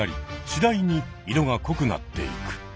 しだいに色がこくなっていく。